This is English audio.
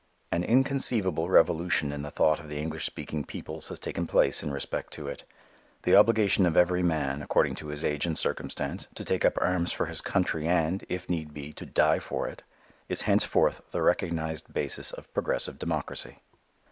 An inconceivable revolution in the thought of the English speaking peoples has taken place in respect to it. The obligation of every man, according to his age and circumstance, to take up arms for his country and, if need be, to die for it, is henceforth the recognized basis of progressive democracy.